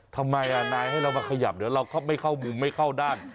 ทำไมนายให้เรามาขยับเดี๋ยวเราก็ไม่เข้ามุมไม่เข้าด้าน